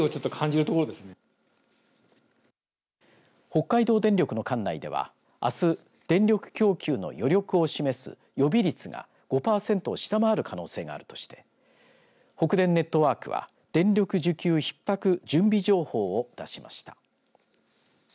北海道電力の管内ではあす電力供給の余力を示す予備率が５パーセントを下回る可能性があるとして北電ネットワークは電力需給ひっ迫準備情報を出しました。